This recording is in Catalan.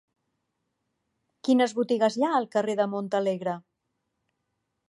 Quines botigues hi ha al carrer de Montalegre?